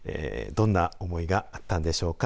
どんな思いがあったんでしょうか。